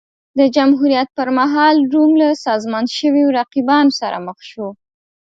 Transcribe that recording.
د جمهوریت پرمهال روم له سازمان شویو رقیبانو سره مخ شو